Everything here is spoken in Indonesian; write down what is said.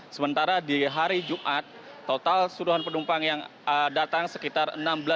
sementara di hari jumat total suduhan penumpang yang datang sekitar enam belas tujuh ratus